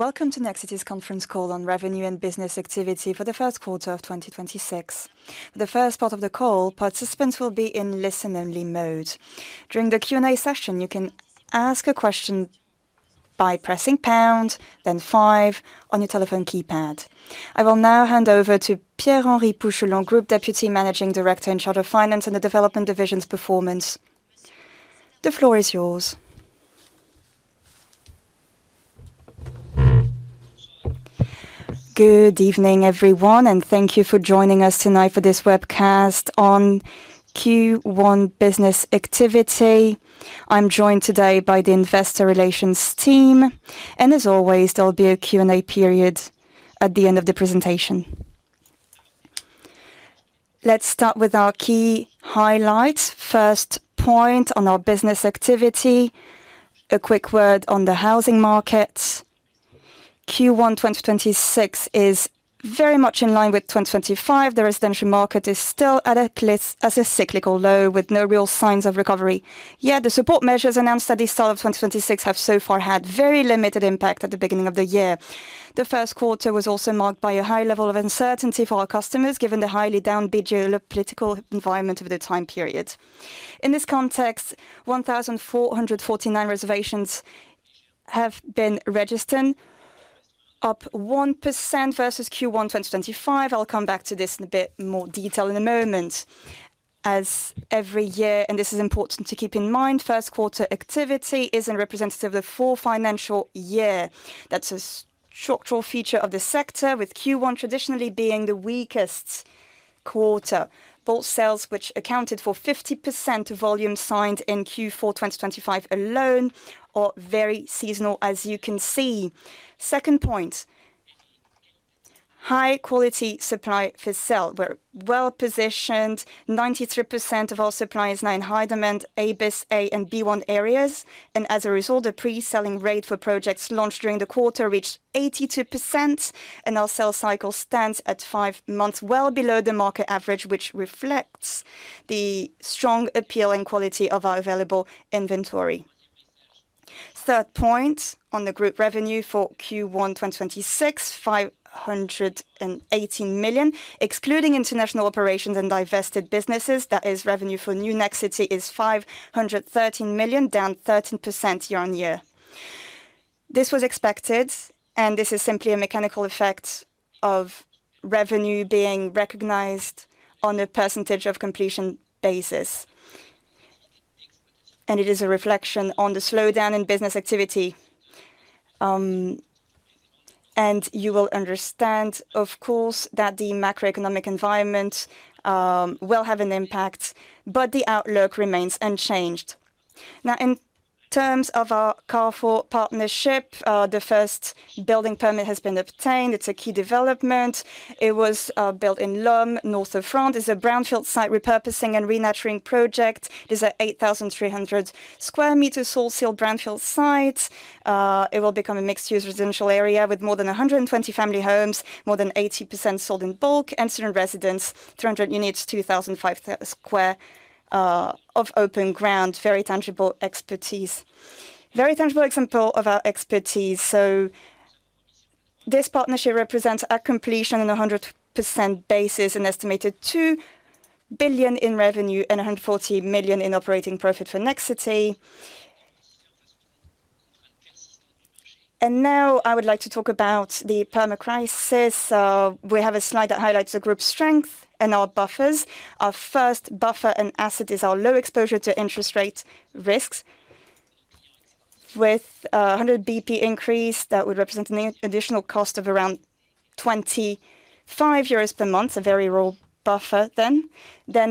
Welcome to Nexity's Conference Call on Revenue and Business Activity for the First Quarter of 2026. For the first part of the call, participants will be in listen-only mode. During the Q&A session, you can ask a question by pressing pound, then five on your telephone keypad. I will now hand over to Pierre-Henry Pouchelon, Group Deputy Managing Director in charge of finance and the development division's performance. The floor is yours. Good evening, everyone, and thank you for joining us tonight for this webcast on Q1 business activity. I'm joined today by the investor relations team, and as always, there'll be a Q&A period at the end of the presentation. Let's start with our key highlights. First point on our business activity, a quick word on the housing market. Q1 2026 is very much in line with 2025. The residential market is still at a cyclical low with no real signs of recovery. Yet, the support measures announced at the start of 2026 have so far had very limited impact at the beginning of the year. The first quarter was also marked by a high level of uncertainty for our customers, given the highly downbeat geopolitical environment over the time period. In this context, 1,449 reservations have been registered, up 1% versus Q1 2025. I'll come back to this in a bit more detail in a moment. As every year, and this is important to keep in mind, first quarter activity isn't representative of the full financial year. That's a structural feature of the sector, with Q1 traditionally being the weakest quarter. Both sales, which accounted for 50% of volume signed in Q4 2025 alone, are very seasonal, as you can see. Second point, high-quality supply for sale. We're well-positioned, 93% of our supply is now in high-demand a bis and B1 areas. As a result, the pre-selling rate for projects launched during the quarter reached 82%, and our sales cycle stands at five months, well below the market average, which reflects the strong appeal and quality of our available inventory. Third point on the group revenue for Q1 2026, 518 million, excluding international operations and divested businesses, that is revenue for New Nexity is 513 million, down 13% year-over-year. This was expected, and this is simply a mechanical effect of revenue being recognized on a percentage of completion basis. It is a reflection on the slowdown in business activity. You will understand, of course, that the macroeconomic environment will have an impact, but the outlook remains unchanged. Now, in terms of our Carrefour partnership, the first building permit has been obtained. It's a key development. It was built in Lomme, north of France. It's a brownfield site repurposing and re-naturing project. It is an 8,300 sq m so-called brownfield site. It will become a mixed-use residential area with more than 120 family homes, more than 80% sold in bulk, and student residences, 300 units, 2,500 sq m of open ground. Very tangible expertise. Very tangible example of our expertise. This partnership represents at completion on 100% basis, an estimated 2 billion in revenue and 140 million in operating profit for Nexity. Now I would like to talk about the Permacrisis. We have a slide that highlights the group's strength and our buffers. Our first buffer and asset is our low exposure to interest rate risks. With 100 BP increase, that would represent an additional cost of around €25 per month, a very real buffer then.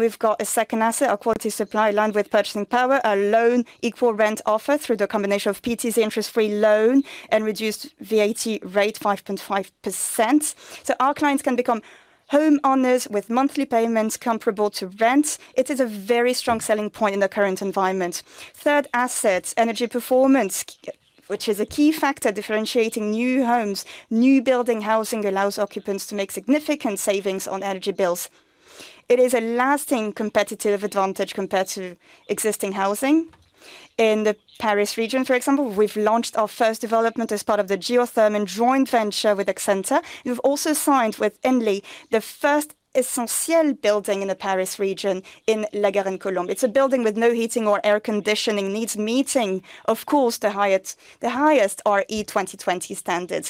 We've got a second asset, our quality supply lined with purchasing power, a loan equal rent offer through the combination of PTZ interest-free loan and reduced VAT rate 5.5%. Our clients can become homeowners with monthly payments comparable to rent. It is a very strong selling point in the current environment. Third asset, energy performance, which is a key factor differentiating new homes. New building housing allows occupants to make significant savings on energy bills. It is a lasting competitive advantage compared to existing housing. In the Paris region, for example, we've launched our first development as part of the geothermal joint venture with Accenta, who've also signed with Engie, the first Essentiel building in the Paris region in La Garenne-Colombes. It's a building with no heating or air conditioning needs, meeting, of course, the highest RE2020 standard.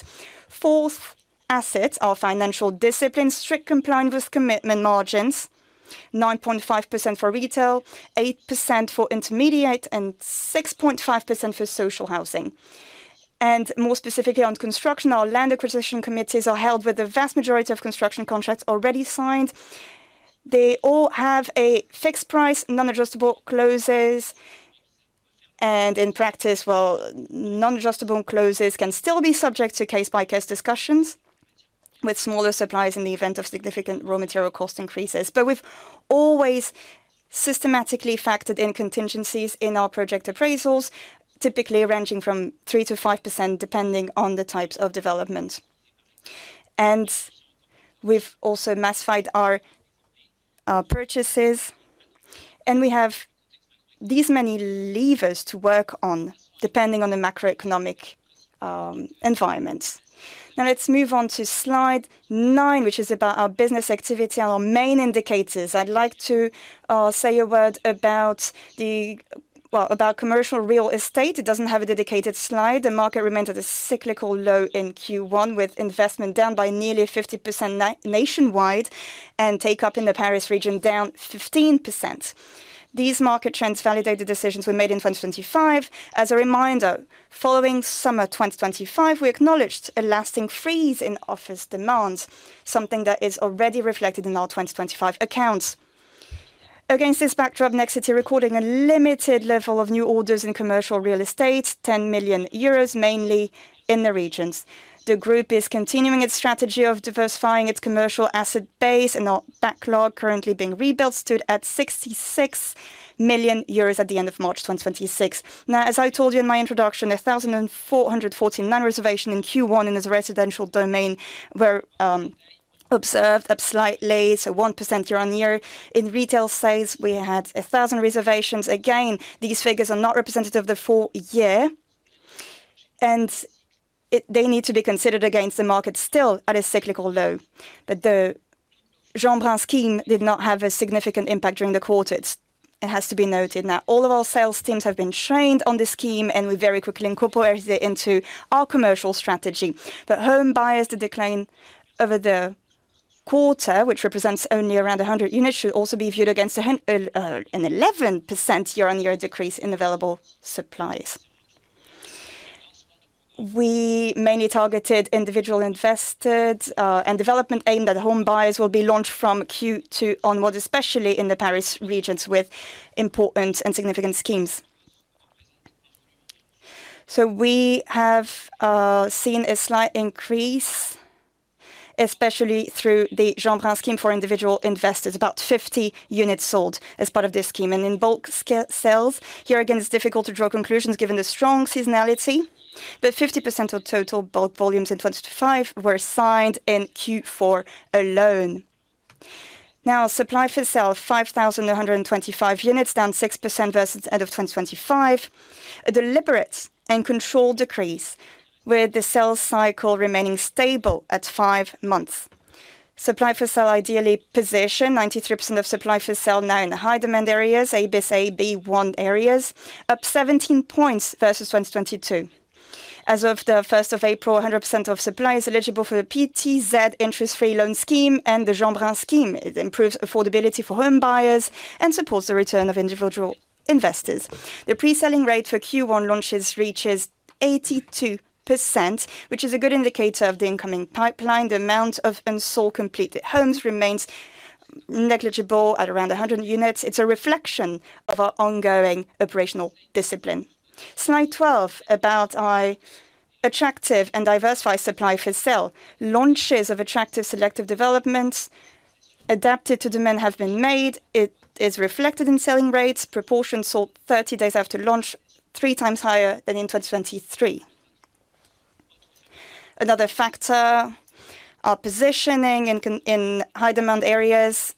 Fourth asset, our financial discipline, strict compliance with commitment margins, 9.5% for retail, 8% for intermediate, and 6.5% for social housing. More specifically on construction, our land acquisition committees are held with the vast majority of construction contracts already signed. They all have a fixed price, non-adjustable clauses, and in practice, well, non-adjustable clauses can still be subject to case-by-case discussions with smaller suppliers in the event of significant raw material cost increases. We've always systematically factored in contingencies in our project appraisals, typically ranging from 3%-5% depending on the types of development. We've also massified our purchases, and we have these many levers to work on depending on the macroeconomic environment. Now let's move on to slide nine, which is about our business activity, our main indicators. I'd like to say a word about commercial real estate. It doesn't have a dedicated slide. The market remained at a cyclical low in Q1, with investment down by nearly 50% nationwide and take-up in the Paris region down 15%. These market trends validated decisions we made in 2025. As a reminder, following summer 2025, we acknowledged a lasting freeze in office demands, something that is already reflected in our 2025 accounts. Against this backdrop, Nexity recorded a limited level of new orders in commercial real estate, 10 million euros, mainly in the regions. The group is continuing its strategy of diversifying its commercial asset base, and our backlog currently being rebuilt stood at 66 million euros at the end of March 2026. Now, as I told you in my introduction, 1,449 reservations in Q1 in this residential domain were observed up slightly, so 1% year-on-year. In retail sales, we had 1,000 reservations. Again, these figures are not representative of the full year, and they need to be considered against the market still at a cyclical low. The Jeanbrun scheme did not have a significant impact during the quarter. It has to be noted that all of our sales teams have been trained on this scheme, and we very quickly incorporated it into our commercial strategy. Home buyers, the decline over the quarter, which represents only around 100 units, should also be viewed against an 11% year-on-year decrease in available supplies. We mainly targeted individual investment and development aimed at home buyers will be launched from Q2 onwards, especially in the Paris regions, with important and significant schemes. We have seen a slight increase, especially through the Jeanbrun scheme for individual investors. About 50 units sold as part of this scheme. In bulk sales, here again, it's difficult to draw conclusions given the strong seasonality. 50% of total bulk volumes in 2025 were signed in Q4 alone. Now, supply for sale, 5,125 units, down 6% versus the end of 2025. A deliberate and controlled decrease with the sales cycle remaining stable at five months. Supply for sale ideally positioned, 93% of supply for sale now in the high demand areas, a bis B1 areas, up 17 points versus 2022. As of the 1st of April, 100% of supply is eligible for the PTZ interest-free loan scheme and the Jeanbrun scheme. It improves affordability for home buyers and supports the return of individual investors. The pre-selling rate for Q1 launches reaches 82%, which is a good indicator of the incoming pipeline. The amount of unsold completed homes remains negligible at around 100 units. It's a reflection of our ongoing operational discipline. Slide 12, about our attractive and diversified supply for sale. Launches of attractive selective developments adapted to demand have been made. It is reflected in selling rates, proportion sold 30 days after launch, 3x higher than in 2023. Another factor, our positioning in high demand areas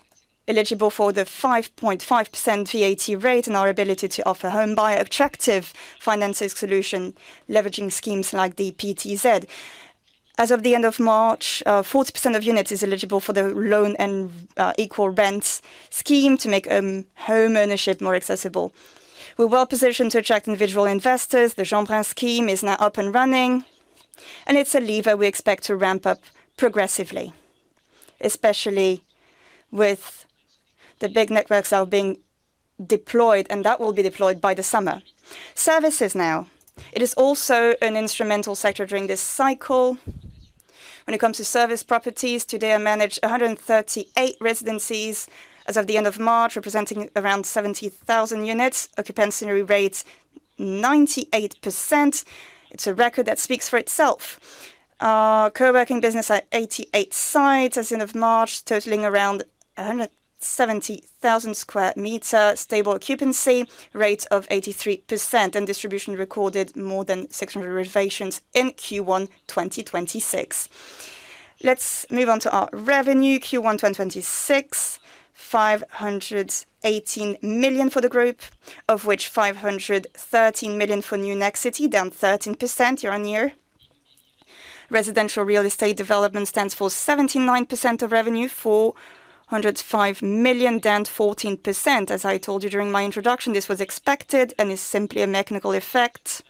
eligible for the 5.5% VAT rate and our ability to offer home buyer-attractive financing solution leveraging schemes like the PTZ. As of the end of March, 40% of units is eligible for the loan and equal rent scheme to make home ownership more accessible. We're well-positioned to attract individual investors. The Jeanbrun scheme is now up and running, and it's a lever we expect to ramp up progressively, especially with the big networks that are being deployed, and that will be deployed by the summer. Services now. It is also an instrumental sector during this cycle. When it comes to service properties, today I manage 138 residencies as of the end of March, representing around 70,000 units. Occupancy rate 98%. It is a record that speaks for itself. Our co-working business at 88 sites as of March, totaling around 170,000 sq m. Stable occupancy rate of 83%, and distribution recorded more than 600 reservations in Q1 2026. Let's move on to our revenue. Q1 2026, 518 million for the group, of which 513 million for New Nexity, down 13% year-over-year. Residential real estate development stands for 17% of revenue, 405 million, down 14%. As I told you during my introduction, this was expected and is simply a mechanical effect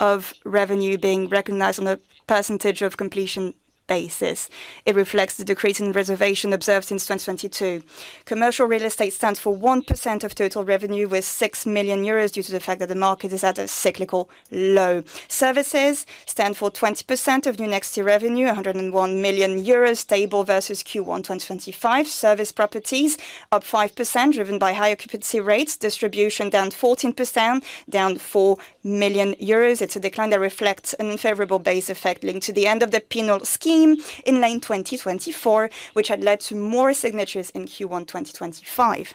of revenue being recognized on a percentage of completion basis. It reflects the decrease in reservations observed since 2022. Commercial real estate stands for 1% of total revenue, with 6 million euros due to the fact that the market is at a cyclical low. Services stand for 20% of New Nexity revenue, 101 million euros, stable versus Q1 2025. Service properties up 5%, driven by higher occupancy rates. Distribution down 14%, down 4 million euros. It's a decline that reflects an unfavorable base effect linked to the end of the Pinel scheme in late 2024, which had led to more signatures in Q1 2025.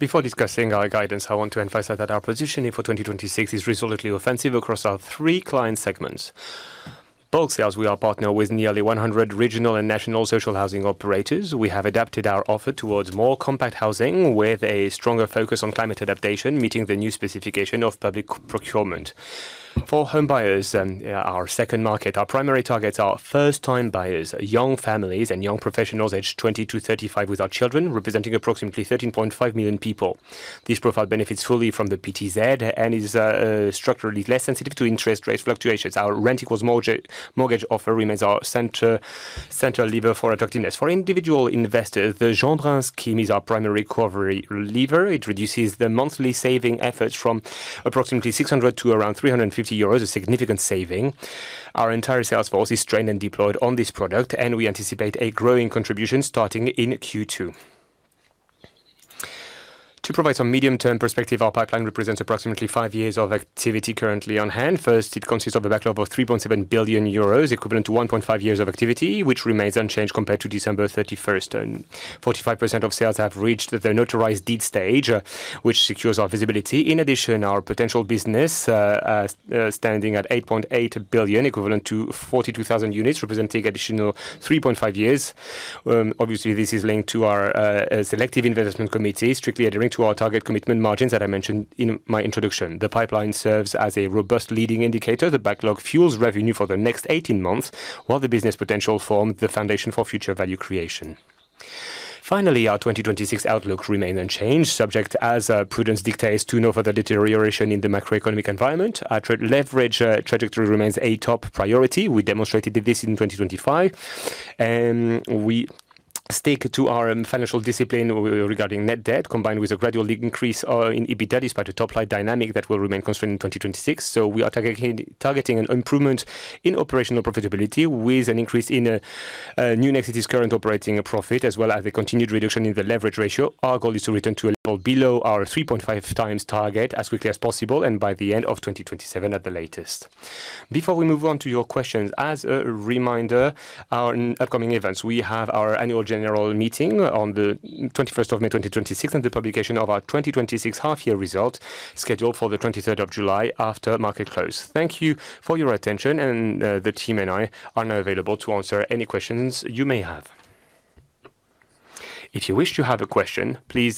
Before discussing our guidance, I want to emphasize that our positioning for 2026 is resolutely offensive across our three client segments. Bulk sales, we are partnered with nearly 100 regional and national social housing operators. We have adapted our offer towards more compact housing with a stronger focus on climate adaptation, meeting the new specification of public procurement. For home buyers and our second market, our primary targets are first-time buyers, young families, and young professionals aged 20-35 without children, representing approximately 13.5 million people. This profile benefits fully from the PTZ and is structurally less sensitive to interest rate fluctuations. Our rent equals mortgage offer remains our central lever for attractiveness. For individual investors, the Jeanbrun scheme is our primary recovery lever. It reduces the monthly saving efforts from approximately 600 to around 350 euros, a significant saving. Our entire sales force is trained and deployed on this product, and we anticipate a growing contribution starting in Q2. To provide some medium-term perspective, our pipeline represents approximately five years of activity currently on hand. First, it consists of a backlog of 3.7 billion euros, equivalent to 1.5 years of activity, which remains unchanged compared to December 31st. 45% of sales have reached their notarized deed stage, which secures our visibility. In addition, our potential business, standing at 8.8 billion, equivalent to 42,000 units, representing additional 3.5 years. Obviously, this is linked to our selective investment committee, strictly adhering to our target commitment margins that I mentioned in my introduction. The pipeline serves as a robust leading indicator. The backlog fuels revenue for the next 18 months, while the business potential forms the foundation for future value creation. Finally, our 2026 outlook remains unchanged, subject as prudence dictates, to no further deterioration in the macroeconomic environment. Our leverage trajectory remains a top priority. We demonstrated this in 2025, and we stick to our financial discipline regarding net debt, combined with a gradual increase in EBITDA despite the top-line dynamic that will remain constrained in 2026. We are targeting an improvement in operational profitability with an increase in New Nexity current operating profit, as well as a continued reduction in the leverage ratio. Our goal is to return to a level below our 3.5x target as quickly as possible, and by the end of 2027 at the latest. Before we move on to your questions, as a reminder, our upcoming events. We have our annual general meeting on the 21st of May 2026, and the publication of our 2026 half-year results scheduled for the 23rd of July after market close. Thank you for your attention, and the team and I are now available to answer any questions you may have. If you wish to have a question, please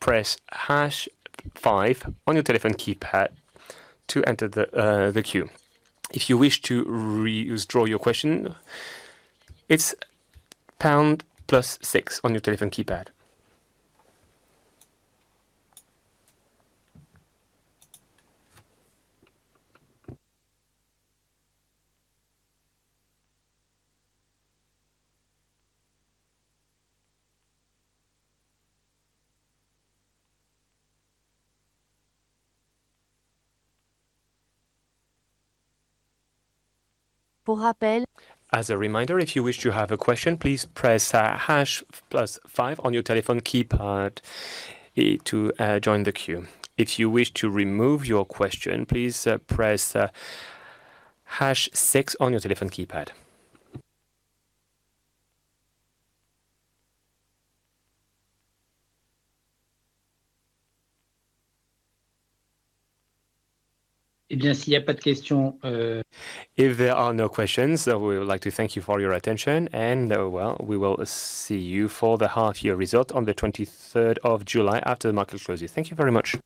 press hash five on your telephone keypad to enter the queue. If you wish to withdraw your question, it's pound plus six on your telephone keypad. As a reminder, if you wish to have a question, please press hash plus five on your telephone keypad to join the queue. If you wish to remove your question, please press hash six on your telephone keypad. If there are no questions, we would like to thank you for your attention, and we will see you for the half-year result on the 23rd of July after the market closes. Thank you very much.